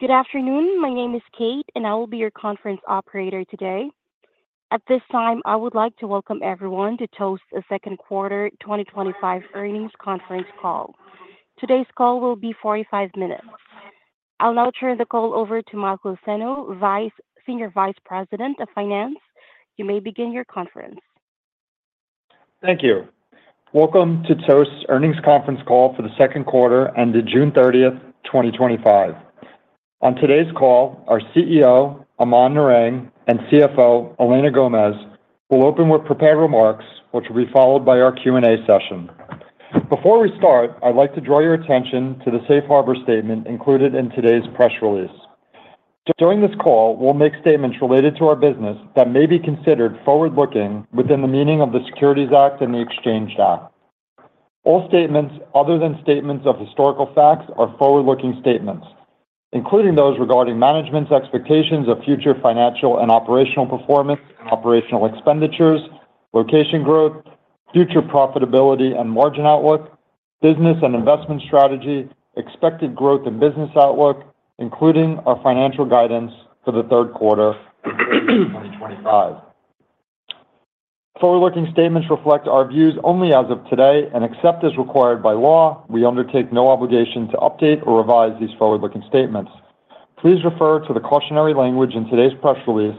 Good afternoon, my name is Kate and I will be your conference operator today. At this time I would like to welcome everyone to Toast's second quarter 2025 earnings conference call. Today's call will be 45 minutes. I'll now turn the call over to Michael Senno, Senior Vice President of Finance. You may begin your conference. Thank you. Welcome to Toast's earnings conference call for the second quarter and the June 30th, 2025. On today's call, our CEO Aman Narang and CFO Elena Gomez will open with prepared remarks, which will be followed by our Q and A session. Before we start, I'd like to draw your attention to the Safe Harbor statement included in today's press release. During this call, we'll make statements related to our business that may be considered forward-looking within the meaning of the Securities Act and the Exchange Act. All statements other than statements of historical facts are forward-looking statements, including those regarding management's expectations of future financial and operational performance, operational expenditures, location growth, future profitability and margin outlook, business and investment strategy, expected growth and business outlook, including our financial guidance for the third quarter 2025. Forward-looking statements reflect our views only as of today, and except as required by law, we undertake no obligation to update or revise these forward-looking statements. Please refer to the cautionary language in today's press release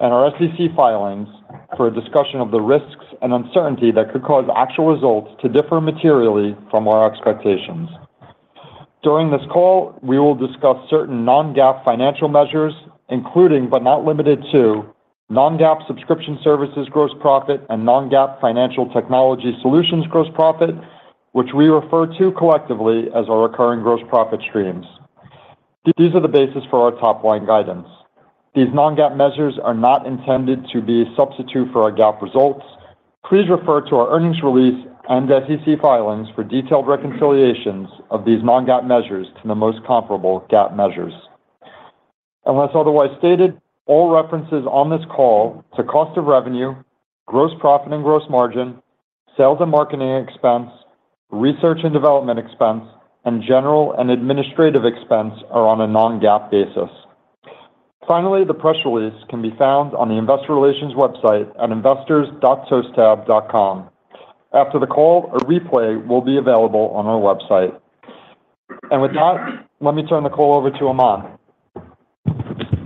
and our SEC filings for a discussion of the risks and uncertainty that could cause actual results to differ materially from our expectations. During this call, we will discuss certain non-GAAP financial measures, including but not limited to non-GAAP Subscription Services Gross Profit and non-GAAP Financial Technology Solutions Gross Profit, which we refer to collectively as our recurring gross profit streams. These are the basis for our top line guidance. These non-GAAP measures are not intended to be a substitute for our GAAP results. Please refer to our earnings release and SEC filings for detailed reconciliations of these non-GAAP measures to the most comparable GAAP measures. Unless otherwise stated, all references on this call to cost of revenue, gross profit and gross margin, sales and marketing expense, research and development expense, and general and administrative expense are on a non-GAAP basis. Finally, the press release can be found on the investor relations website at investors.toasttab.com. After the call, a replay will be available on our website, and with that, let me turn the call over to Aman.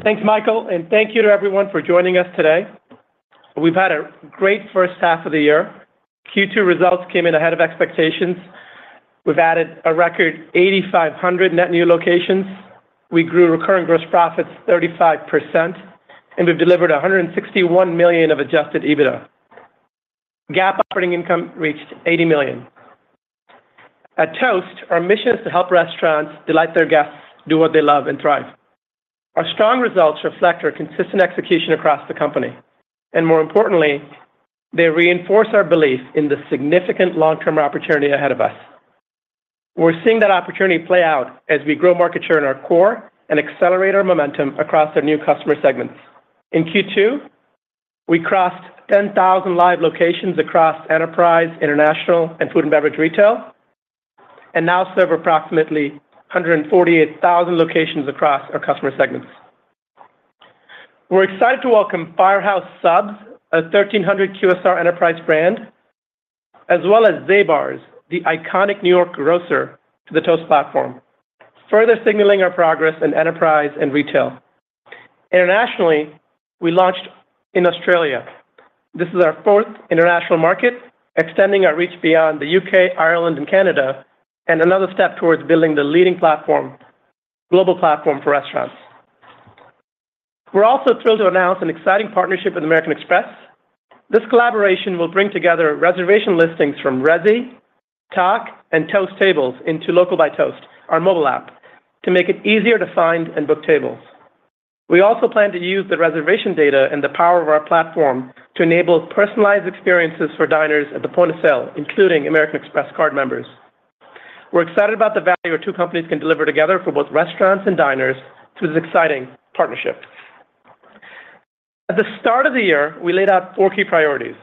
Thanks Michael and thank you to everyone for joining us today. We've had a great first half of the year. Q2 results came in ahead of expectations. We've added a record 8,500 net new locations. We grew recurring gross profits 35% and we've delivered $161 million of adjusted EBITDA. GAAP operating income reached $80 million. At Toast, our mission is to help restaurants delight their guests, do what they love and thrive. Our strong results reflect our consistent execution across the company, and more importantly, they reinforce our belief in the significant long term opportunity ahead of us. We're seeing that opportunity play out as we grow market share in our core and accelerate our momentum across our new customer segments. In Q2, we crossed 10,000 live locations across enterprise, international and food and beverage retail and now serve approximately 148,000 locations across our customer segments. We're excited to welcome Firehouse Subs, a 1,300 QSR enterprise brand, as well as Zabar’s, the iconic New York grocer. The Toast Platform further signaling our progress in enterprise and retail internationally, we launched in Australia. This is our fourth international market, extending our reach beyond the U.K., Ireland and Canada, and another step towards building the leading global platform for restaurants. We're also thrilled to announce an exciting partnership with American Express. This collaboration will bring together reservation listings from Resy, Tock and Toast Tables into Toast Local, our mobile app, to make it easier to find and book tables. We also plan to use the reservation data and the power of our platform to enable personalized experiences for diners at the point of sale, including American Express Card members. We're excited about the value our two companies can deliver together for both restaurants and diners through this exciting partnership. At the start of the year, we laid out four key priorities.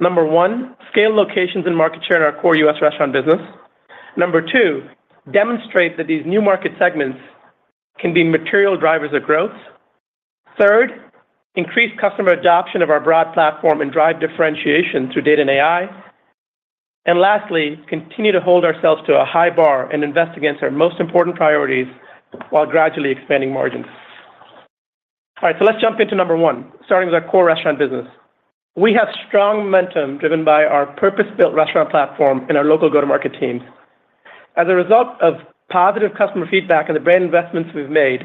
Number one, scale locations and market share in our core U.S. restaurant business. Number two, demonstrate that these new market segments can be material drivers of growth. Third, increase customer adoption of our broad platform and drive differentiation through data and AI. Lastly, continue to hold ourselves to a high bar and invest against our most important priorities while gradually expanding margins. All right, let's jump into number one. Starting with our core restaurant business. We have strong momentum driven by our purpose-built restaurant platform and our local go-to-market teams. As a result of positive customer feedback and the brand investments we've made,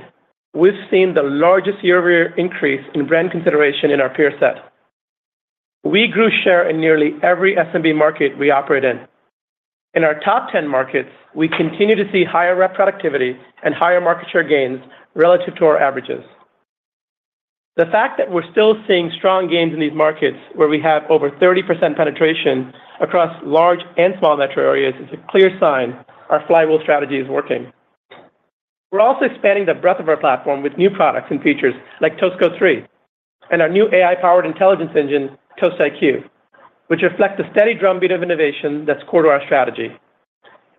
we've seen the largest year-over-year increase in brand consideration in our peer set. We grew share in nearly every SMB market we operate in. In our top 10 markets, we continue to see higher rep productivity and higher market share gains relative to our averages. The fact that we're still seeing strong gains in these markets where we have over 30% penetration across large and small metro areas is a clear sign. Our flywheel strategy is working. We're also expanding the breadth of our platform with new products and features like Toast Go 3 and our new AI-powered intelligence engine ToastIQ, which reflect the steady drumbeat of innovation that's core to our strategy.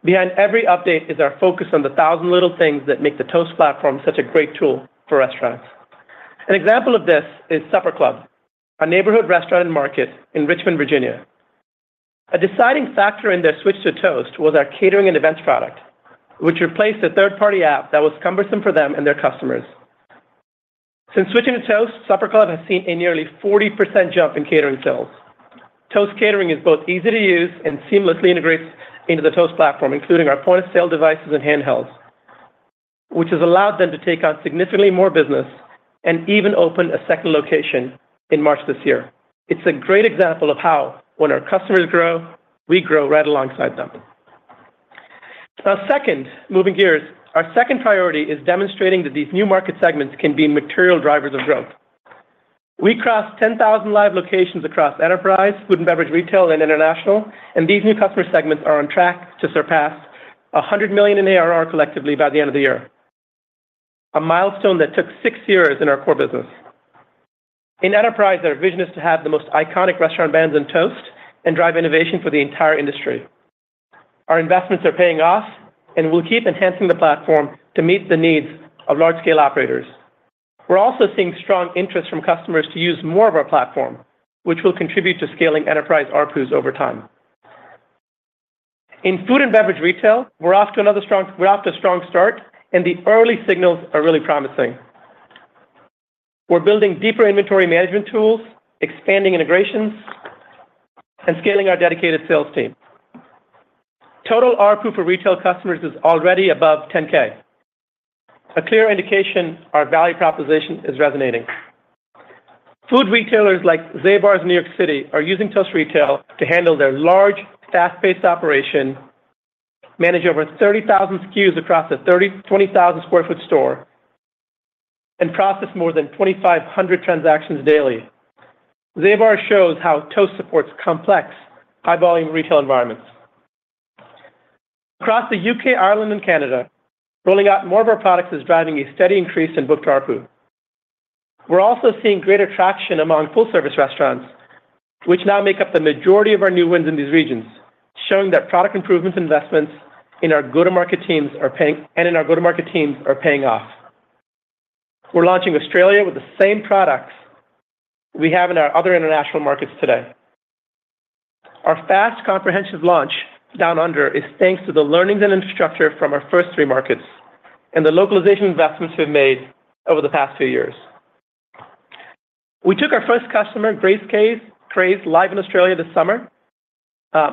Behind every update is our focus on the thousand little things that make the Toast platform such a great tool for restaurants. An example of this is Supper Club, a neighborhood restaurant and market in Richmond, Virginia. A deciding factor in their switch to Toast was our catering and events product, which replaced a third-party app that was cumbersome for them and their customers. Since switching to Toast, Supper Club has seen a nearly 40% jump in catering sales. Toast Catering is both easy to use and seamlessly integrates into the Toast platform, including our point-of-sale devices and handhelds, which has allowed them to take on significantly more business and even open a second location in March this year. It's a great example of how when our customers grow, we grow right alongside them. Now, moving gears, our second priority is demonstrating that these new market segments can be material drivers of growth. We crossed 10,000 live locations across enterprise, food and beverage, retail, and international, and these new customer segments are on track to surpass $100 million in ARR collectively by the end of the year, a milestone that took six years in our core business. In enterprise, their vision is to have the most iconic restaurant brands in Toast and drive innovation for the entire industry. Our investments are paying off and we'll keep enhancing the platform to meet the needs of large-scale operators. We're also seeing strong interest from customers to use more of our platform, which will contribute to scaling enterprise ARPUs over time. In food and beverage retail, we're off to a strong start and the early signals are really promising. We're building deeper inventory management tools, expanding integrations, and scaling our dedicated sales team. Total ARPU for retail customers is already above $10,000, a clear indication our value proposition is resonating. Food retailers like Zabar’s New York City are using Toast Retail to handle their large, fast-paced operation, manage over 30,000 SKUs across a 20,000 square foot store, and process more than 2,500 transactions daily. Zabar’s shows how Toast supports complex, high-volume retail environments across the U.K., Ireland, and Canada. Rolling out more of our products is driving a steady increase in booked ARPU. We're also seeing greater traction among full service restaurants, which now make up the majority of our new wins in these regions, showing that product improvement investments in our go-to-market teams are paying off. We're launching Australia with the same products we have in our other international markets today. Our fast, comprehensive launch down under is thanks to the learnings and infrastructure from our first three markets and the localization investments we've made over the past few years. We took our first customer, Graze Craze, live in Australia this summer.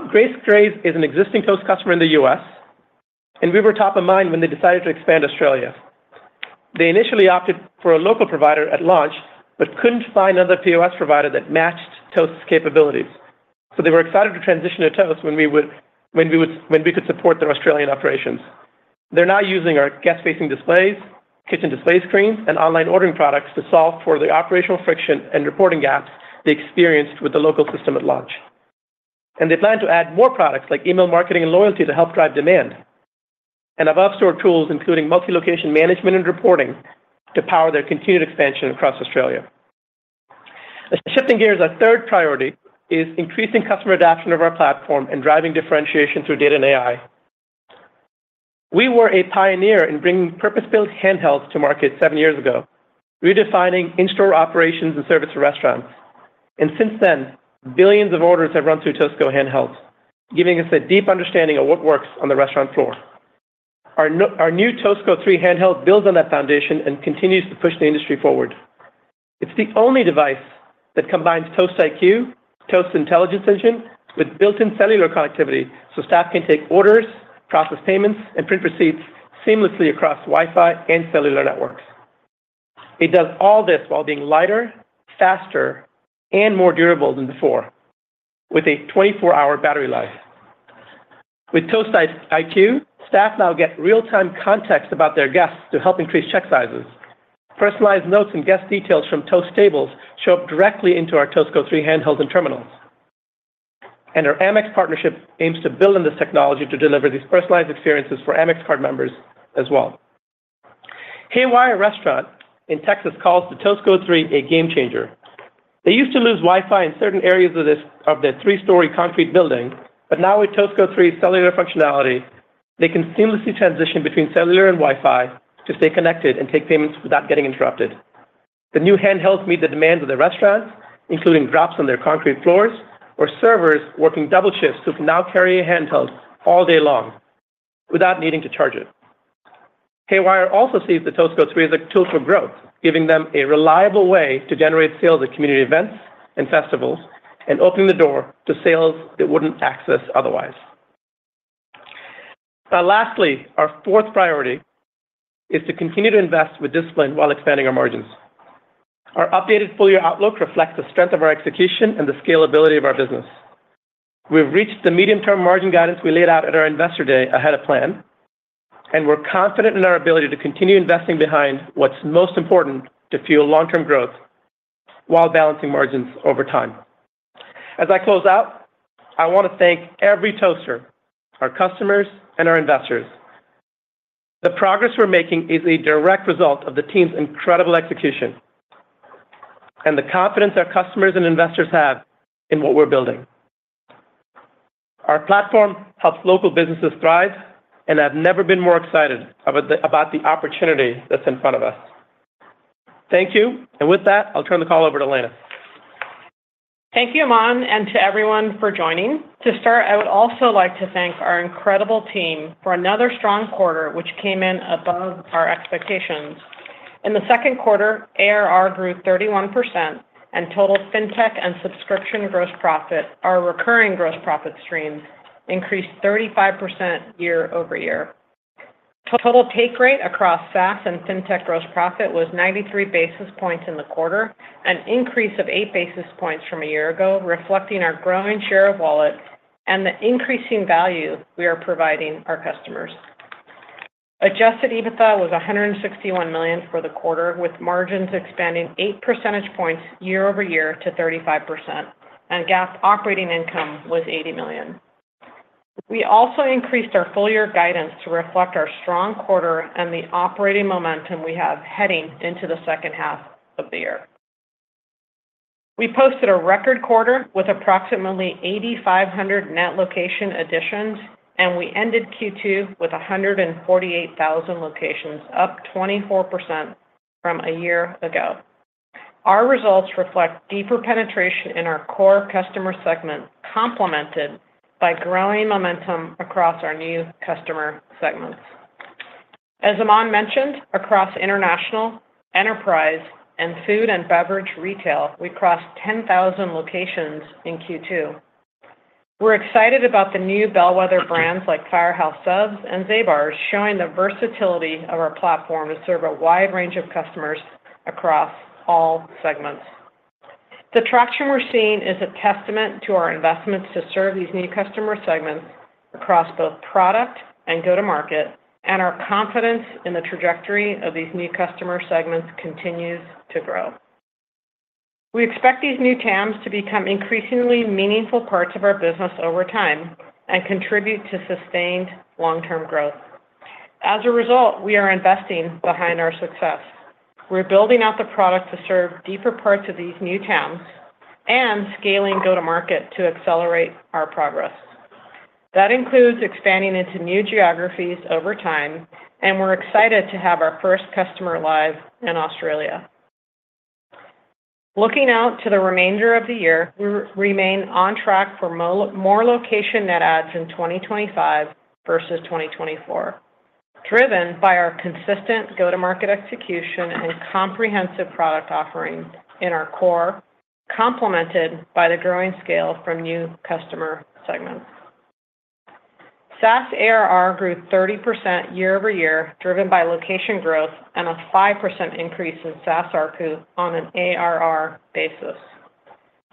Graze Craze is an existing Toast customer in the U.S. and we were top of mind when they decided to expand to Australia. They initially opted for a local provider at launch but couldn't find another POS provider that matched Toast's capabilities, so they were excited to transition to Toast when we could support their Australian operations. They're now using our guest-facing displays, kitchen display screens, and online ordering products to solve for the operational friction and reporting gaps they experienced with the local system at launch. They plan to add more products like email marketing and loyalty to help drive demand and above store tools including multi-location management and reporting to power their continued expansion across Australia. Shifting gears, our third priority is increasing customer adoption of our platform and driving differentiation through data and AI. We were a pioneer in bringing purpose-built handhelds to market seven years ago, redefining in-store operations and service restaurants, and since then billions of orders have run through Toast Go handheld, giving us a deep understanding of what works on the restaurant floor. Our new Toast Go 3 handheld builds on that foundation and continues to push the industry forward. It's the only device that combines ToastIQ, Toast intelligence engine, with built-in cellular connectivity so staff can take orders, process payments, and print receipts seamlessly across Wi-Fi and cellular networks. It does all this while being lighter, faster, and more durable than before with a 24-hour battery life. With ToastIQ, staff now get real-time context about their guests to help increase check sizes. Personalized notes and guest details from Toast tables show up directly into our Toast Go 3 handhelds and terminals, and our Amex partnership aims to build on this technology to deliver these personalized experiences for American Express Card members as well. Haywire Restaurant in Texas calls the Toast Go 3 a game changer. They used to lose Wi-Fi in certain areas of their three-story concrete building, but now with Toast Go 3 cellular functionality they can seamlessly transition between cellular and Wi-Fi to stay connected and take payments without getting interrupted. The new handhelds meet the demands of the restaurants, including drops on their concrete floors or servers working double shifts who can now carry a handheld all day long without needing to charge it. Haywire also sees the Toast Go 3 as a tool for growth, giving them a reliable way to generate sales at community events and festivals, and opening the door to sales it wouldn't access otherwise. Lastly, our fourth priority is to continue to invest with discipline while expanding our margins. Our updated full-year outlook reflects the strength of our execution and the scalability of our business. We've reached the medium-term margin guidance we laid out at our investor day ahead of plan, and we're confident in our ability to continue investing behind what's most important to fuel long-term growth while balancing margins over time. As I close out, I want to thank every Toaster, our customers, and our investors. The progress we're making is a direct result of the team's incredible execution and the confidence our customers and investors have in what we're building. Our platform helps local businesses thrive, and I've never been more excited about the opportunity that's in front of us. Thank you, and with that I'll turn the call over to Elena. Thank you Aman and to everyone for joining. To start, I would also like to thank our incredible team for another strong quarter which came in above our expectations. In the second quarter, ARR grew 31% and total FinTech and subscription gross profit. Our recurring gross profit streams increased 35% year-over-year. Total take rate across SaaS and FinTech gross profit was 93 basis points in the quarter, an increase of eight basis points from a year ago, reflecting our growing share of wallet and the increasing value we are providing our customers. Adjusted EBITDA was $161 million for the quarter with margins expanding eight percentage points year-over-year to 35%, and GAAP operating income was $80 million. We also increased our full year guidance to reflect our strong quarter and the operating momentum we have heading into the second half of the year. We posted a record quarter with approximately 8,500 net location additions and we ended Q2 with 148,000 locations, up 24% from a year ago. Our results reflect deeper penetration in our core customer segment, complemented by growing momentum across our new customer segments. As Aman mentioned, across international enterprise and food and beverage retail, we crossed 10,000 locations in Q2. We're excited about the new bellwether brands like Firehouse Subs and Zabar’s, showing the versatility of our platform to serve a wide range of customers across all segments. The traction we're seeing is a testament to our investments to serve these new customer segments across both product and go to market, and our confidence in the trajectory of these new customer segments continues to grow. We expect these new TAMS to become increasingly meaningful parts of our business over time and contribute to sustained long term growth. As a result, we are investing behind our success. We're building out the product to serve deeper parts of these new TAMS and scaling go to market to accelerate our progress. That includes expanding into new geographies over time, and we're excited to have our first customer live in Australia. Looking out to the remainder of the year, we remain on track for more location net adds in 2025 versus 2024, driven by our consistent go to market execution and comprehensive product offering in our core, complemented by the growing scale from new customer segments. SaaS ARR grew 30% year-over-year driven by location growth and a 5% increase in SaaS ARPU on an ARR basis,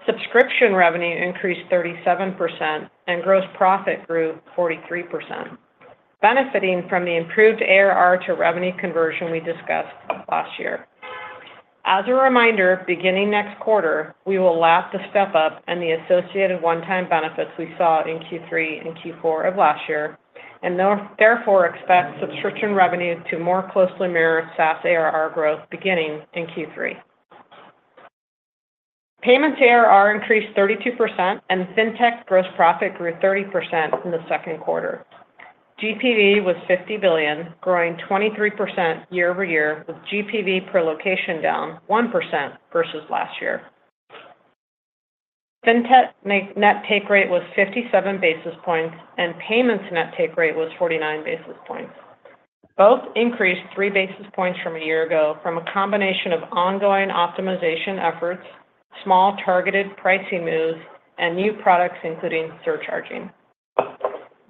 subscription revenue increased 37% and gross profit grew 43%, benefiting from the improved ARR to revenue conversion we discussed last year. As a reminder, beginning next quarter we will lap the step up and the associated one-time benefits we saw in Q3 and Q4 of last year and therefore expect subscription revenue to more closely mirror SaaS ARR growth. Beginning in Q3, payments ARR increased 32% and FinTech gross profit grew 30% in the second quarter. GPV was $50 billion, growing 23% year-over-year with GPV per location down 1% versus last year. FinTech net take rate was 57 basis points and payments net take rate was 49 basis points. Both increased 3 basis points from a year ago from a combination of ongoing optimization efforts, small targeted pricing moves, and new products including surcharging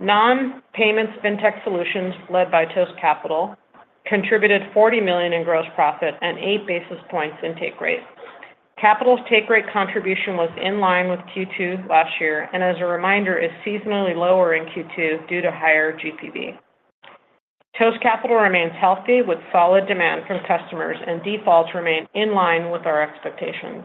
non-payments. FinTech Solutions led by Toast Capital contributed $40 million in gross profit and 8 basis points in take rate. Capital's take rate contribution was in line with Q2 last year and as a reminder is seasonally lower in Q2 due to higher GPV. Toast Capital remains healthy with solid demand from customers and defaults remain in line with our expectations.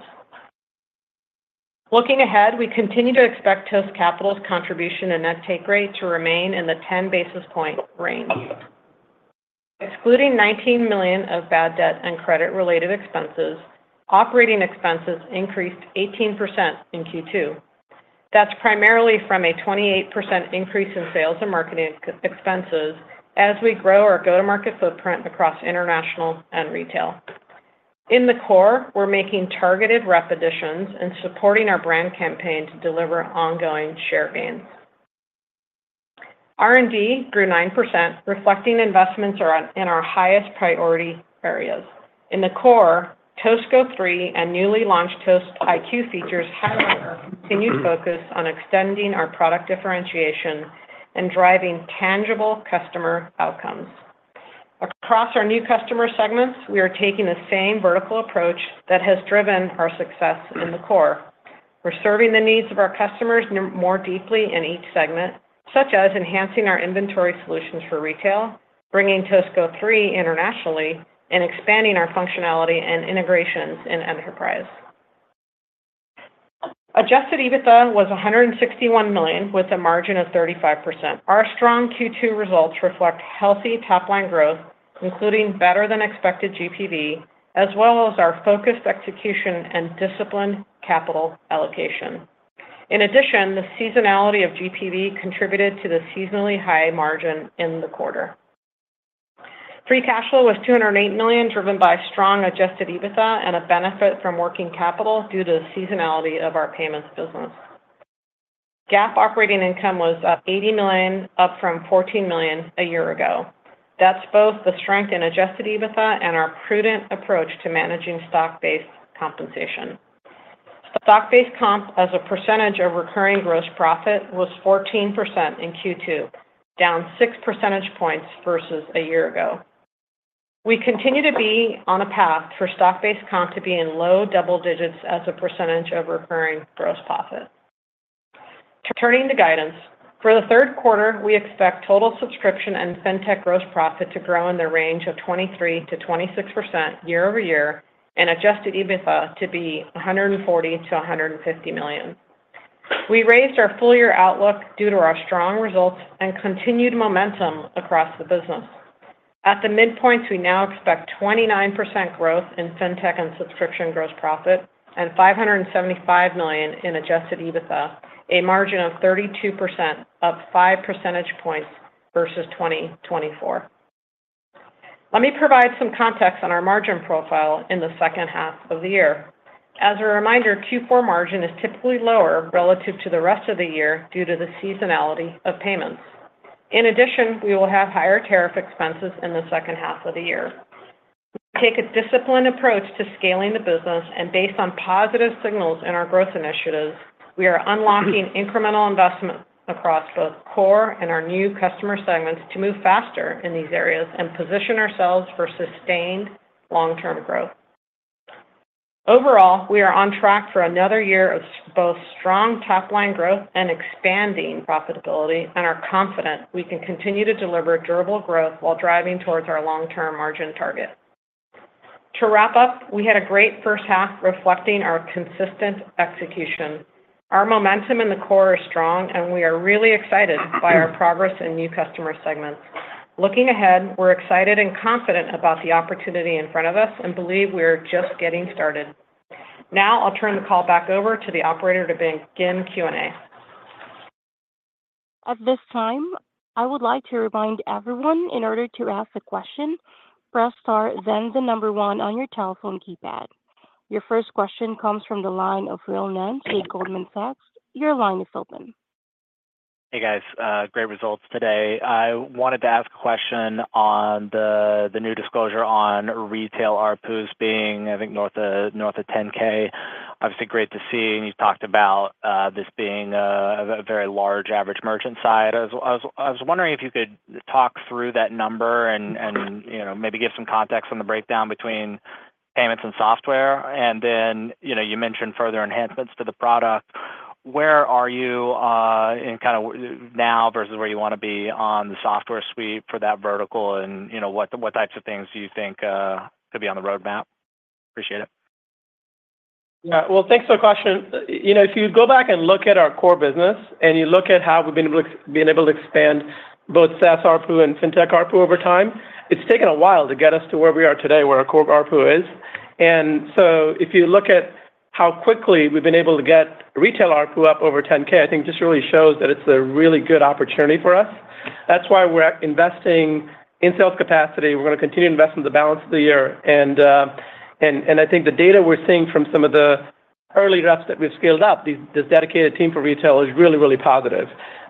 Looking ahead, we continue to expect Toast Capital's contribution and net take rate to remain in the 10 basis point range. Excluding $19 million of bad debt and credit related expenses, operating expenses increased 18% in Q2. That's primarily from a 28% increase in sales and marketing expenses as we grow our go-to-market footprint across international and retail. In the core, we're making targeted rep additions and supporting our brand campaign to deliver ongoing share gain. R&D grew 9%, reflecting investments in our highest priority areas in the core. Toast Go 3 and newly launched ToastIQ features highlight continued focus on extending our product differentiation and driving tangible customer outcomes across our new customer segments. We are taking the same vertical approach that has driven our success in the core. We're serving the needs of our customers more deeply in each segment, such as enhancing our inventory management tools for retail, bringing Toast Go 3 internationally, and expanding our functionality and integrations in enterprise. Adjusted EBITDA was $161 million with a margin of 35%. Our strong Q2 results reflect healthy top line growth, including better than expected GPV, as well as our focused execution and disciplined capital allocation. In addition, the seasonality of GPV contributed to the seasonally high margin in the quarter. Free cash flow was $208 million, driven by strong adjusted EBITDA and a benefit from working capital due to the seasonality of our payments business. GAAP operating income was $80 million, up from $14 million a year ago. That's both the strength in adjusted EBITDA and our prudent approach to managing stock-based compensation. Stock-based comp as a percentage of recurring gross profit was 14% in Q2, down 6 percentage points versus a year ago. We continue to be on a path for stock-based comp to be in low double digits as a percentage of recurring gross profit. Turning to guidance for the third quarter, we expect total subscription and FinTech gross profit to grow in the range of 23%-26% year-over-year and adjusted EBITDA to be $140 million-$150 million. We raised our full year outlook due to our strong results and continued momentum across the business. At the midpoints, we now expect 29% growth in FinTech and subscription gross profit and $575 million in adjusted EBITDA, a margin of 32%, up 5 percentage points versus 2024. Let me provide some context on our margin profile in the second half of the year. As a reminder, Q4 margin is typically lower relative to the rest of the year due to the seasonality of payments. In addition, we will have higher tariff expenses in the second half of the year. Take a disciplined approach to scaling the business, and based on positive signals in our growth initiatives, we are unlocking incremental investment across both core and our new customer segments to move faster in these areas and position ourselves for sustained long-term growth. Overall, we are on track for another year of both strong top line growth and expanding profitability and are confident we can continue to deliver durable growth while driving towards our long-term margin target. To wrap up, we had a great first half reflecting our consistent execution. Our momentum in the core is strong, and we are really excited by our progress in new customer segments. Looking ahead, we're excited and confident about the opportunity in front of us and believe we are just getting started. Now, I'll turn the call back over to the operator to begin Q&A. At this time, I would like to remind everyone in order to ask a question, press star, then the number one on your telephone keypad. Your first question comes from the line of Will Nance at Goldman Sachs. Your line is open. Hey guys, great results today. I wanted to ask a question on the new disclosure on retail ARPUs being, I think, north of $10,000, obviously. Great to see. You talked about this being a very large average merchant size. I was wondering if you could talk through that number and, you know, maybe give some context on the breakdown between payments and software. You mentioned further enhancements to the product. Where are you in kind of now versus where you want to be on the software suite for that vertical, and what types of things do you think could be on the roadmap? Appreciate it. Thanks for the question. You know, if you go back and look at our core business and you look at how we've been able to expand both SaaS ARPU and FinTech ARPU over time, it's taken a while to get us to where we are today, where our core ARPU is. If you look at how quickly we've been able to get retail ARPU up over $10,000, I think it just really shows that it's a really good opportunity for us. That's why we're investing in sales capacity. We're going to continue to invest in the balance of the year. I think the data we're seeing from some of the early reps that we've scaled up, this dedicated team for retail, is really, really positive.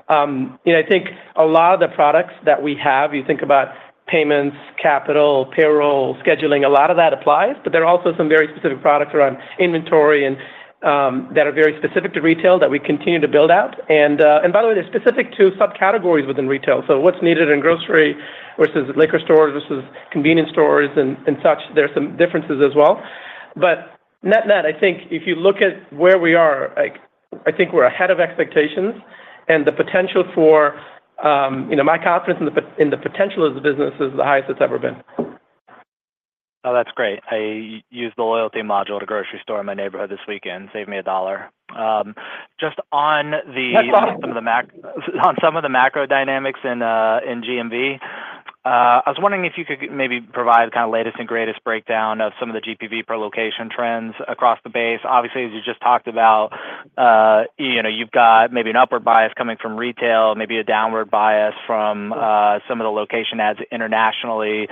I think a lot of the products that we have, you think about payments, capital, payroll, scheduling, a lot of that applies. There are also some very specific products around inventory that are very specific to retail that we continue to build out. By the way, they're specific to subcategories within retail. What's needed in grocery versus liquor stores versus convenience stores and such, there's some differences as well, but net net, I think if you look at where we are, I think we're ahead of expectations and the potential for my confidence in the potential of the business is the highest it's ever been. That's great. I used the loyalty module at the grocery store in my neighborhood this weekend. Saved me $1. Just on some of the macro dynamics in GMV, I was wondering if you could maybe provide latest and greatest breakdown of some of the GPV per location trends across the base. Obviously, as you just talked about, you've got maybe an up bias coming from retail, maybe a downward bias from some of the location adds internationally.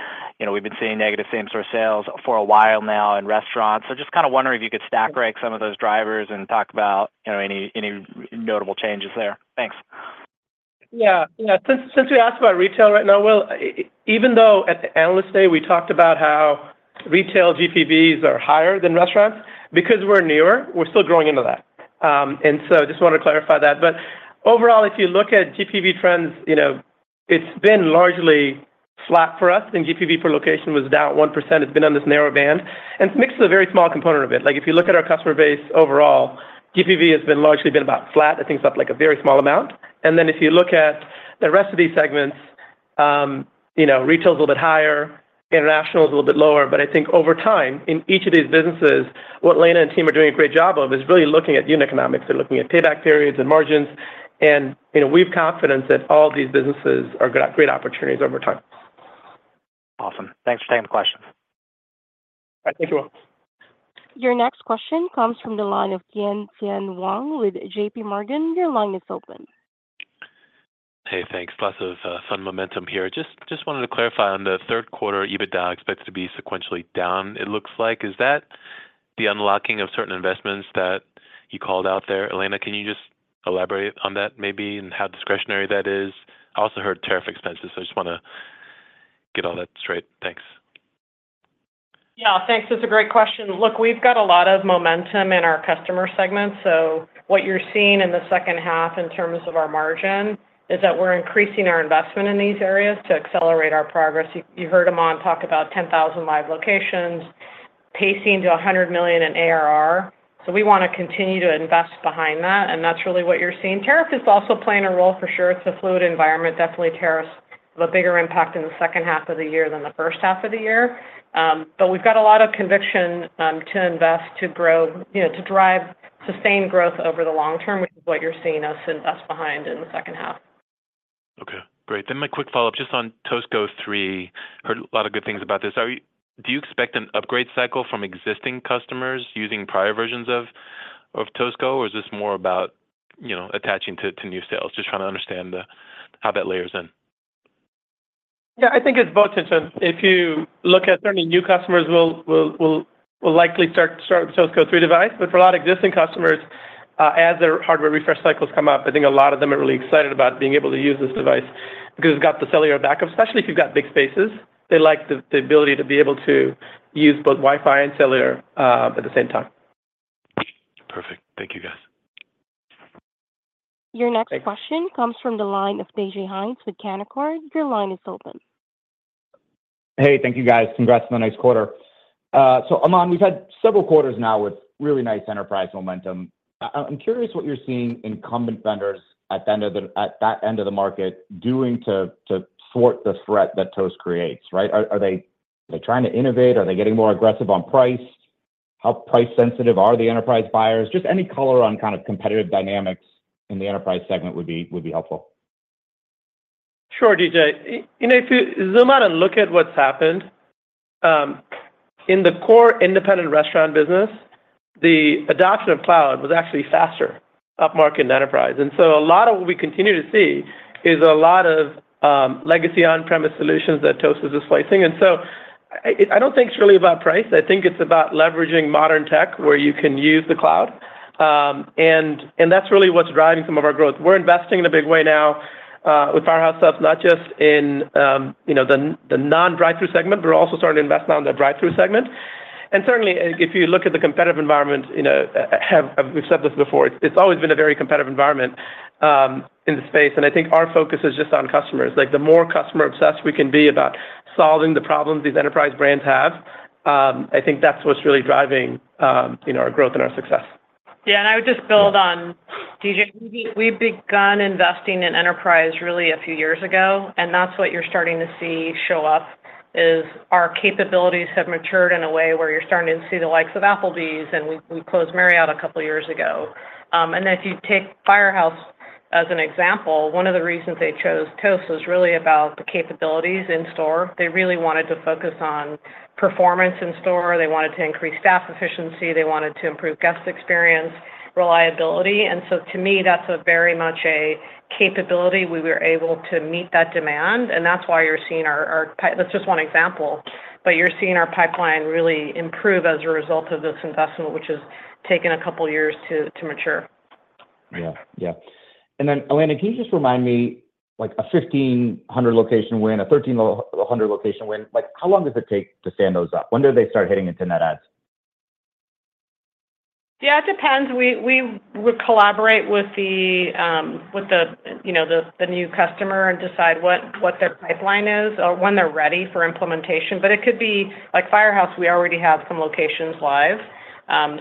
We've been seeing negative same store sales for a while now in restaurants. Just kind of wondering if you could stack rank some of those drivers and talk about any notable changes there. Thanks. Since we asked about retail right now, Will, even though at the analyst day we talked about how retail GPVs are higher than restaurants because we're newer, we're still growing into that and just want to clarify that. Overall, if you look at GPV trends, it's been largely flat for us and GPV per location was down 1%. It's been on this narrow band and mixed with a very small component of it. If you look at our customer base, overall, GPV has been largely about flat. I think it's up a very small amount. If you look at the rest of these segments, retail's a little bit higher, international is a little bit lower. Over time in each of these businesses, what Elena and team are doing a great job of is really looking at unit economics. They're looking at payback periods and margin. We have confidence that all these businesses are great opportunities over time. Awesome. Thanks for taking the question. Thank you. Your next question comes from the line of Tien-Tsin Huang J.P. Morgan. Your line is open. Hey, thanks. Lots of fun momentum here. Just wanted to clarify on the third quarter, adjusted EBITDA expects to be sequentially down, it looks like. Is that the unlocking of certain investments that you called out there, Elena? Can you just elaborate on that maybe, and how discretionary that is? I also heard tariff expenses. I just want to get all that straight. Thanks. Yeah, thanks. That's a great question. Look, we've got a lot of momentum in our customer segments. What you're seeing in the second half in terms of our margin is that we're increasing our investment in these areas to accelerate our progress. You heard Aman talk about 10,000 live locations pacing to $100 million in ARR. We want to continue to invest behind that, and that's really what you're seeing. Tariff is also playing a role, for sure. It's a fluid environment. Definitely, tariffs have a bigger impact in the second half of the year than the first half of the year. We've got a lot of conviction to invest, to grow, to drive sustained growth over the long term, which is what you're seeing us invest behind in the second half. Okay, great. My quick follow up just on Toast Go 3. Heard a lot of good things about this. Do you expect an upgrade cycle from existing customers using prior versions of Toast or is this more about attaching to new sales? Just trying to understand how that layers in. Yeah, I think it's both intentions. If you look at certainly new customers, they will likely start with Toast Go 3 device, but for a lot of existing customers, as their hardware refresh cycles come up, I think a lot of them are really excited about being able to use this device because it's got the cellular backup, especially if you've got big spaces. They like the ability to be able to use both Wi-Fi and cellular at the same time. Perfect. Thank you guys. Your next question comes from the line of DJ Hynes with Canaccord. Your line is open. Thank you, guys. Congrats on the next quarter. Aman, we've had several quarters now with really nice enterprise momentum. I'm curious what you're seeing incumbent vendors at that end of the market doing to thwart the threat that Toast creates. Right. Are they trying to innovate? Are they getting more aggressive on price? How price sensitive are the enterprise buyers? Any color on kind of competitive dynamics in the enterprise segment would be helpful. Sure, DJ, if you zoom out and look at what's happened in the core independent restaurant business, the adoption of cloud was actually faster upmarket in enterprise. A lot of what we continue to see is a lot of legacy on-premise solutions that Toast is slicing. I don't think it's really about price, I think it's about leveraging modern tech where you can use the cloud, and that's really what's driving some of our growth. We're investing in a big way now with Firehouse Subs, not just in the non-drive-thru segment but also starting to invest now in the drive-thru segment. Certainly, if you look at the competitive environment, we've said this before, it's always been a very competitive environment in the space, and I think our focus is just on customers. The more customer-obsessed we can be about solving the problems these enterprise brands have, I think that's what's really driving our growth and our success. Yeah, I would just build on DJ. We began investing in enterprise really a few years ago, and that's what you're starting to see show up as our capabilities have matured in a way where you're starting to see the likes of Applebee's, and we closed Marriott a couple years ago. If you take Firehouse as an example, one of the reasons they chose Toast was really about the capabilities in store. They really wanted to focus on performance in store. They wanted to increase staff efficiency, they wanted to improve guest experience reliability. To me, that's very much a capability. We were able to meet that demand, and that's why you're seeing our, that's just one example, but you're seeing our pipeline really improve as a result of this investment, which has taken a couple years to mature. Yeah, yeah. Elena, can you just remind me, like a 1,500 location win, a 1,300 location win, how long does it take to stand those up? When do they start hitting into net ads? Yeah, it depends. We would collaborate with the new customer and decide what their pipeline is or when they're ready for implementation. It could be like Firehouse. We already have some locations live,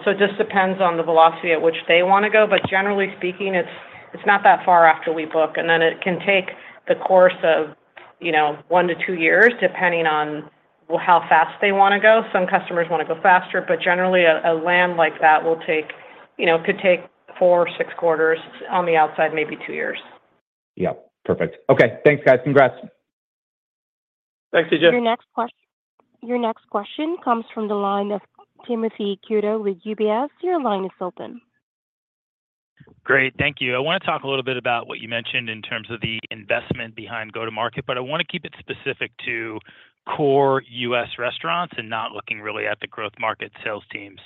so it just depends on the velocity at which they want to go. Generally speaking, it's not that far after we book, and then it can take the course of one to two years, depending on how fast they want to go. Some customers want to go faster. Generally, a land like that could take four to six quarters on the outside, maybe two years. Yep, perfect. Okay, thanks guys. Congrats. Thanks. DJ. Your next question. Your next question comes from the line of Timothy Arcuri with UBS. Your line is open. Great, thank you. I want to talk a little bit about what you mentioned in terms of the investment behind Go to Market. I want to keep it specific to core U.S. restaurants and not looking really at the growth market sales teams.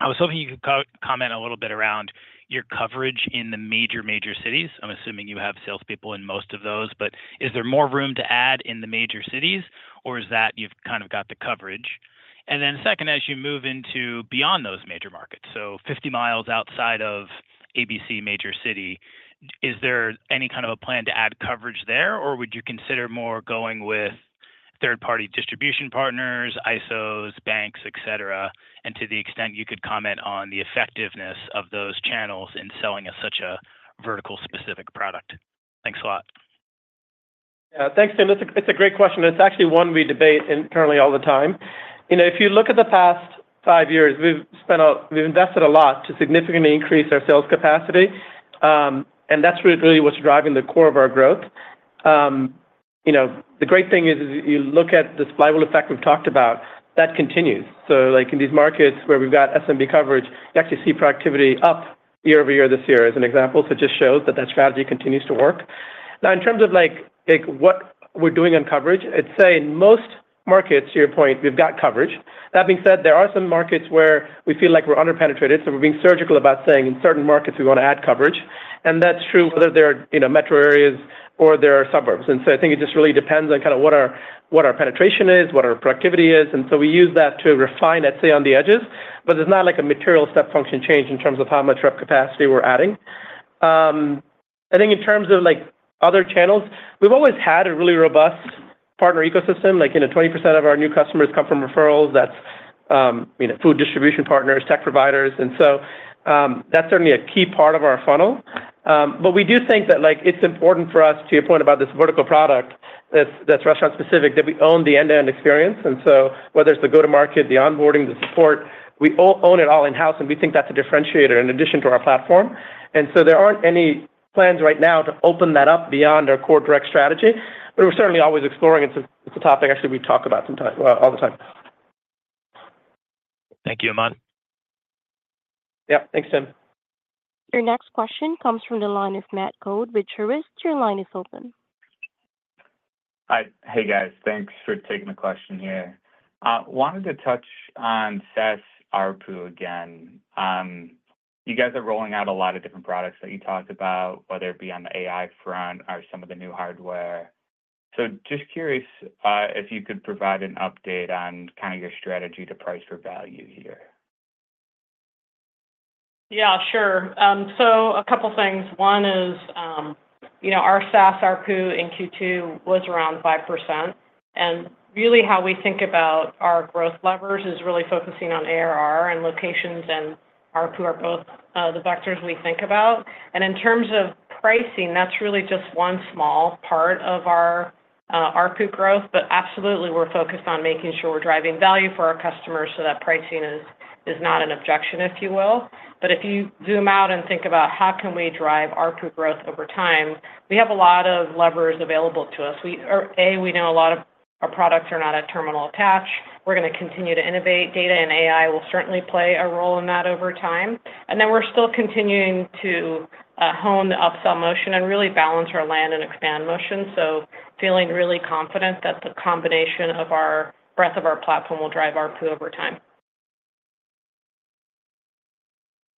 I was hoping you could comment a little bit around your coverage in the major, major cities. I'm assuming you have salespeople in most of those, but is there more room to add in the major cities, or is that you've kind of got the coverage? Then, as you move into beyond those major markets, 50 mi outside of ABC major city, is there any kind of a plan to add coverage there, or would you consider more going with third party distribution partners, ISOs, banks, etc.? To the extent you could comment on the effectiveness of those channels in selling such a vertical specific product. Thanks a lot. Thanks, Tim. It's a great question. It's actually one we debate internally all the time. If you look at the past five years we've spent, we've invested a lot to significantly increase our sales capacity. That's really what's driving the core of our growth. The great thing is you look at the supply effect we've talked about that continues. In these markets where we've got SMB coverage, you actually see productivity up year-over-year, this year as an example. It just shows that that strategy continues to work. In terms of what we're doing on coverage, I'd say in most markets, to your point, we've got coverage. That being said, there are some markets where we feel like we're underpenetrated. We're being surgical about saying in certain markets we want to add coverage. That's true whether they're metro areas or there are suburbs. I think it just really depends on what our penetration is, what our productivity is. We use that to refine it, say on the edges. There's not a material step function change in terms of how much rep capacity we're adding. In terms of other channels, we've always had a really robust partner ecosystem. You know, 20% of our new customers come from referrals, that's food distribution partners, tech providers. That's certainly a key part of our funnel. We do think that it's important for us, to your point about this vertical product, that's restaurant specific, that we own the end to end experience. Whether it's the go to market, the onboarding, the support, we all own it all in house and we think that's a differentiator in addition to our platform. There aren't any plans right now to open that up beyond our core direct strategy. We're certainly always exploring. It's a topic actually we talk about sometimes, all the time. Thank you, Aman. Yeah, thanks Tim. Your next question comes from the line of Matt Coad with Truist. Your line is open. Hey guys, thanks for taking the question here. Wanted to touch on ARPU again. You guys are rolling out a lot of different products that you talked about, whether it be on the AI front or some of the new hardware. Just curious if you could provide an update on kind of your strategy to price for value here. Yeah, sure. A couple things. One is, you know, our SaaS ARPU in Q2 was around 5%, and really how we think about our growth levers is really focusing on ARR and locations, and ARPU are both the vectors we think about. In terms of pricing, that's really just one small part of our ARPU growth. Absolutely we're focused on making sure we're driving value for our customers so that pricing is not an objection, if you will. If you zoom out and think about how can we drive ARPU growth over time, we have a lot of levers available to us. We know a lot of our products are not a terminal attached. We're going to continue to innovate. Data and AI will certainly play a role in that over time. We're still continuing to hone the upsell motion and really balance our land and expand motion. Feeling really confident that the combination of our breadth of our platform will drive ARPU over time.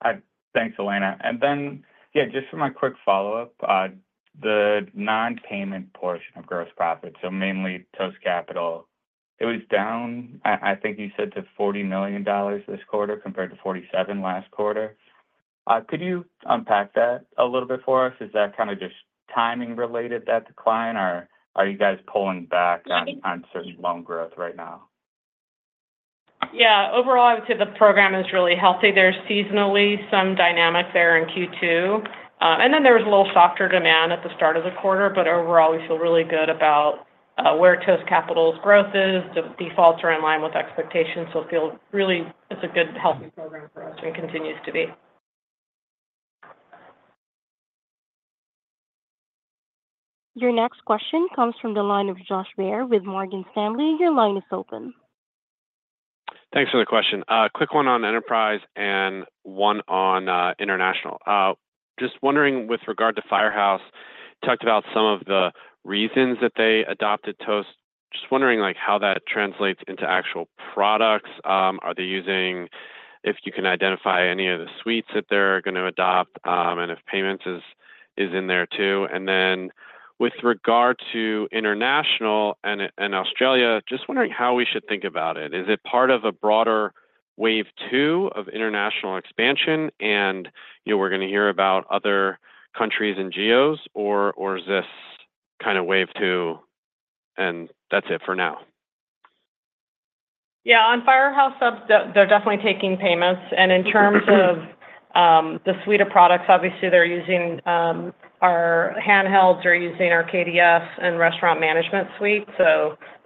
Thanks, Elena. Just for my quick follow up, the non-payment portion of gross profit, mainly Toast Capital, it was down, I think you said, to $40 million this quarter compared to $47 million last quarter. Could you unpack that a little bit for us? Is that kind of just timing related, that decline, or are you guys pulling back on certain loan growth right now? Yeah, overall I would say the program is really healthy. There's seasonally some dynamic there in Q2, and there was a little softer demand at the start of the quarter. Overall, we feel really good about where Toast Capital's growth is. The defaults are in line with expectations. I feel really it's a good, healthy program for us and continues to be. Your next question comes from the line of Josh Baer with Morgan Stanley. Your line is open. Thanks for the question. Quick. One on Enterprise and one on International. Just wondering with regard to Firehouse Subs, talked about some of the reasons that they adopted Toast. Just wondering like how that translates into actual products are they using, if you can identify any of the suites that they're going to adopt and if payments is in there too. With regard to international and Australia, just wondering how we should think about it. Is it part of a broader wave two of international expansion and we're going to hear about other countries and GEOs, or is this kind of wave two and that's it for now? Yeah, on Firehouse Subs they're definitely taking payments, and in terms of the suite of products, obviously they're using our handhelds, are using our KDS and restaurant management suite.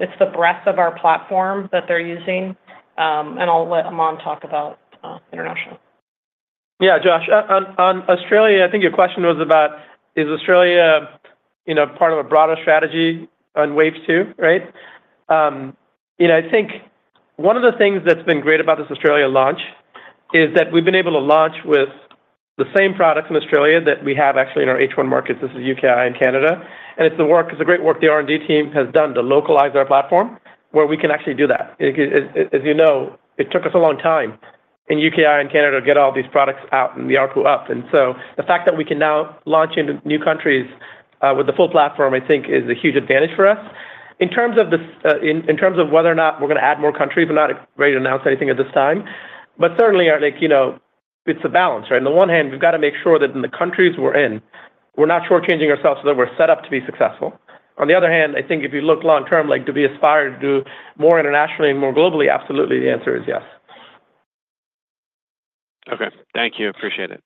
It's the breadth of our platform that they're using. I'll let Aman talk about international. Yeah, Josh, on Australia, I think your question was about is Australia, you know, part of a broader strategy on Wave two? Right. I think one of the things that's been great about this Australia launch is that we've been able to launch with the same products in Australia that we have actually in our H1 market. This is U.K. and Canada. It's the work, it's great work the R&D team has done to localize our platform where we can actually do that. As you know, it took us a long time in U.K. and Canada to get all these products out and the ARPU up. The fact that we can now launch into new countries with the full platform I think is a huge advantage for us. In terms of this, in terms of whether or not we're going to add more countries, we're not ready to announce anything at this time. Certainly, I think, you know, it's a balance. On the one hand, we've got to make sure that in the countries we're in, we're not shortchanging ourselves, that we're set up to be successful. On the other hand, I think if you look long term, like to be aspired to do more internationally and more globally. Absolutely. The answer is yes. Okay, thank you. Appreciate it.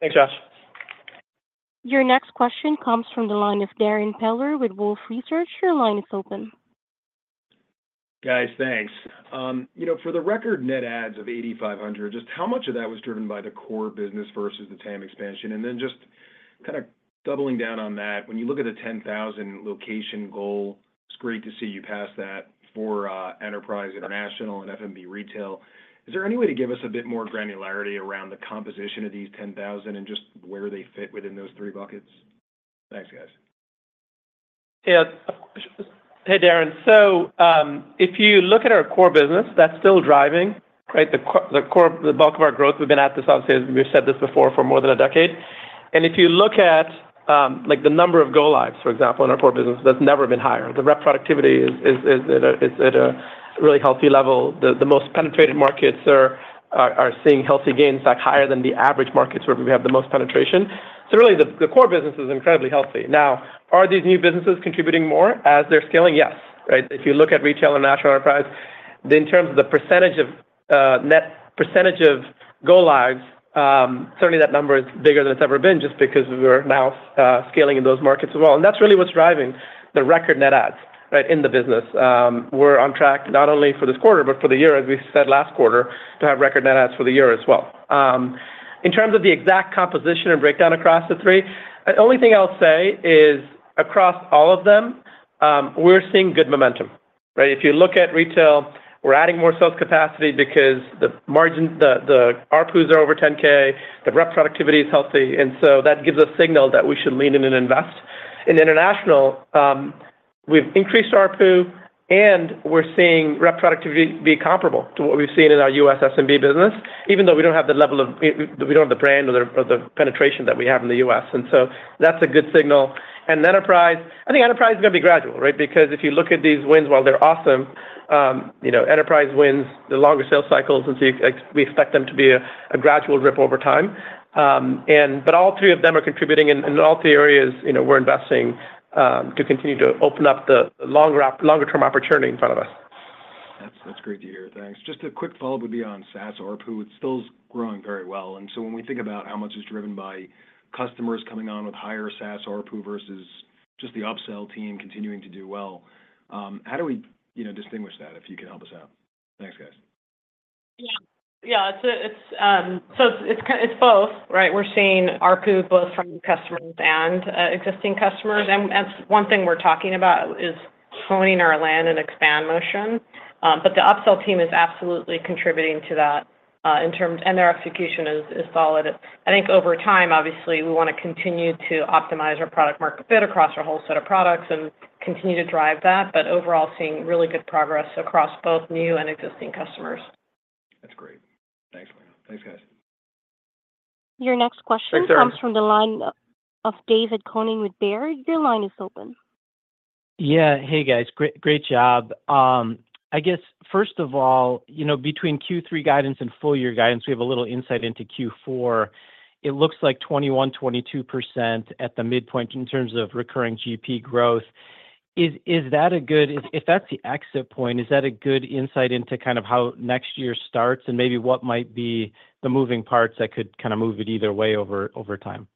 Thanks Josh. Your next question comes from the line of Darrin Peller with Wolfe Research. Your line is open, guys. Thanks. For the record net adds of 8,500, just how much of that was driven by the core business versus the TAM expansion and then just kind of doubling down on that. When you look at the 10,000 location goal, it's great to see you pass that for Enterprise, International, and FNB Retail. Is there any way to give us a bit more granularity around the composition of these 10,000 and just where they fit within those three buckets? Thanks guys. Hey Darrin. If you look at our core business that's still driving, the core, the bulk of our growth, we've been at this obviously as we've said before, for more than a decade. If you look at the number of go lives, for example, in our core business that's never been higher, the rep productivity is at a really healthy level. The most penetrated markets are seeing healthy gains, like higher than the average markets where we have the most penetration. The core business is incredibly healthy. Now, are these new businesses contributing more as they're scaling? Yes. If you look at retail and national enterprise in terms of the percentage of net percentage of Go Live, certainly that number is bigger than it's ever been just because we're now scaling in those markets as well. That's really what's driving the record net adds in the business. We're on track not only for this quarter but for the year, as we said last quarter, to have record net adds for the year as well. In terms of the exact composition and breakdown across the three, only thing I'll say is across all of them we're seeing good momentum. If you look at retail, we're adding more sales capacity because the margin, the ARPUs are over $10,000, the rep productivity is healthy and that gives us signal that we should lean in and invest in international. We've increased ARPU and we're seeing rep productivity be comparable to what we've seen in our U.S. SMB business. Even though we don't have the level of, we don't have the brand or the penetration that we have in the U.S. and that's a good signal. Enterprise, I think enterprise is going to be gradual, right? If you look at these wins, while they're awesome, enterprise wins the longer sales cycles and we expect them to be a gradual drip over time. All three of them are contributing in all three areas. We're investing to continue to open up the longer, longer term opportunity in front of us. That's great to hear, thanks. Just a quick follow-up would be on SaaS ARPU. It's still growing very well, and when we think about how much is driven by customers coming on with higher SaaS ARPU versus just the upsell team continuing to do well, how do we distinguish that? If you can help us out. Thanks guys. Yeah, so it's both, right? We're seeing ARPU both from customers and existing customers, and one thing we're talking about is floating our land and expand motion. The Upsell team is absolutely contributing to that in terms, and their execution is solid. I think over time obviously we want to continue to optimize our product market fit across our whole set of products and continue to drive that. Overall, seeing really good progress across both new and existing customers. That's great. Thanks. Thanks guys. Your next question comes from the line of David Koning with Baird. Your line is open. Yeah. Hey guys, great job. I guess first of all, you know, between Q3 guidance and full year guidance, we have a little insight into Q4. It looks like 21%, 22% at the midpoint in terms of recurring GP growth in IS. Is that a good, if that's the exit point, is that a good insight into kind of how next year starts and maybe what might be the moving parts that could kind of move it either way over time.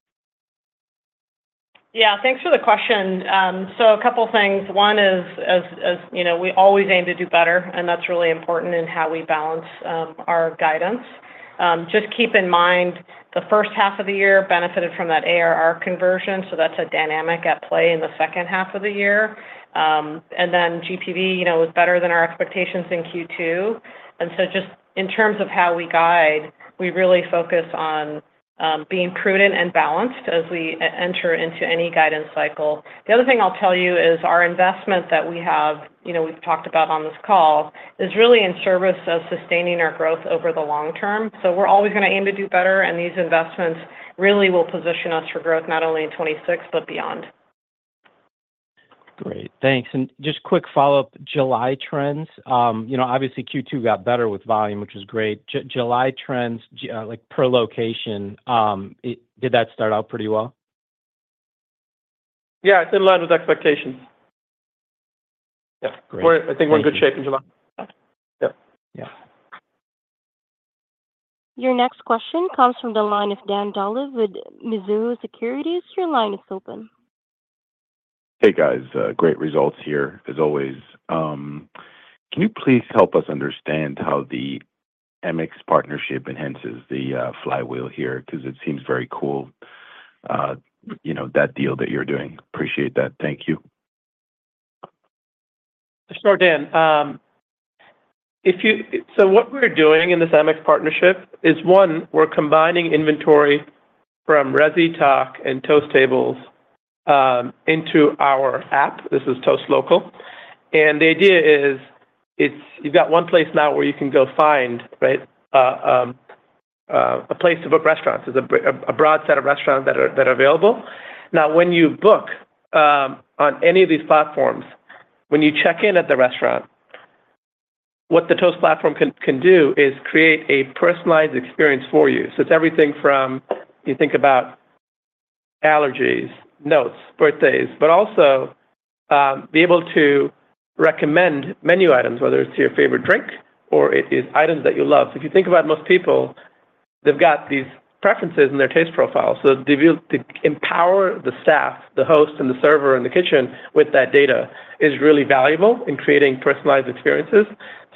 Yeah, thanks for the question. A couple of things. One is, as you know, we always aim to do better, and that's really important in how we balance our guidance. Just keep in mind the first half of the year benefited from that ARR conversion. That's a dynamic at play in the second half of the year. GPV was better than our expectations in Q2. In terms of how we guide, we really focus on being prudent and balanced as we enter into any guidance cycle. The other thing I'll tell you is our investment that we have, you know, we've talked about on this call, is really in service of sustaining our growth over the long term. We're always going to aim to do better, and these investments really will position us for growth not only in 2026, but beyond. Great, thanks. Just quick follow up. July trends, you know, obviously Q2 got better with volume, which is great. July trends, like per location, did that start out pretty well? Yeah, it's in line with expectations. Yeah. Great. I think we're in good shape in July. Yep. Yeah. Your next question comes from the line of Dan Dolev with Mizuho Securities. Your line is open. Hey guys, great results here as always. Can you please help us understand how the American Express partnership enhances the flywheel here? Because it seems very cool, you know, that deal that you're doing. Appreciate that. Thank you. Sure, Dan. What we're doing in this MX partnership is, one, we're combining inventory from Resy, Tock, and Toast Tables into our app. This is Toast Local, and the idea is you've got one place now where you can go find a place to book restaurants. It's a broad set of restaurants that are available now when you book on any of these platforms. When you check in at the restaurant, what the Toast platform can do is create a personalized experience for you. It's everything from, you think about allergies, notes, birthdays, but also being able to recommend menu items, whether it's your favorite drink or it is items that you love. If you think about most people, they've got these preferences in their taste profile. The ability to empower the staff, the host, and the server in the kitchen with that data is really valuable in creating personalized experiences.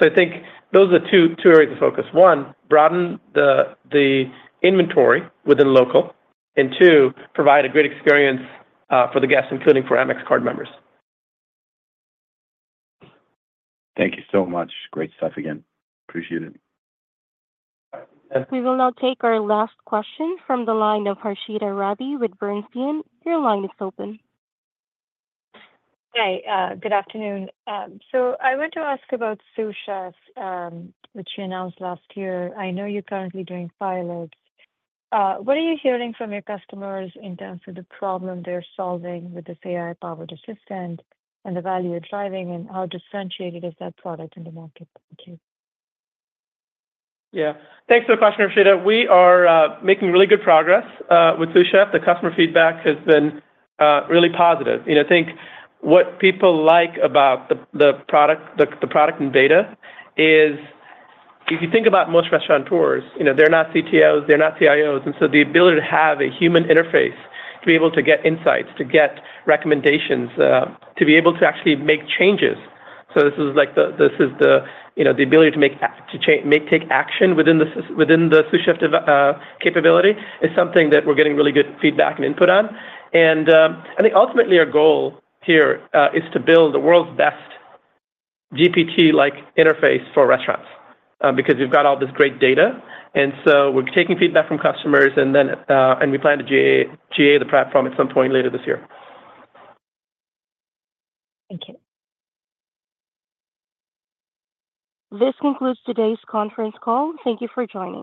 I think those are two areas of focus: one, broaden the inventory within local, and two, provide a great experience for the guests, including for American Express card members. Thank you so much. Great stuff again. Appreciate it. We will now take our last question from the line of Harshita Rawat with Bernstein. Your line is open. Good afternoon. I want to ask about Sous Chef, which you announced last year. I know you're currently doing pilot. What are you hearing from your customers in terms of the problem they're solving with this AI-powered assistant and the. Value you're driving and how differentiated is that product in the market? Thank you. Yeah, thanks for the question, Harshita. We are making really good progress with Sous Chef. The customer feedback has been really positive. I think what people like about the product in beta is if you think about most restauranteurs, you know, they're not CTOs, they're not CIOs. The ability to have a human interface to be able to get insights, to get recommendations, to be able to actually make changes, this is the ability to take action within the capability, is something that we're getting really good feedback and input on. I think ultimately our goal here is to build the world's best GPT-like interface for restaurants because we've got all this great data and we're taking feedback from customers. We plan to GA the platform at some point later this year. Thank you. This concludes today's conference call. Thank you for joining.